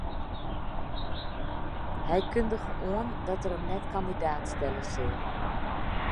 Hy kundige oan dat er him net kandidaat stelle sil.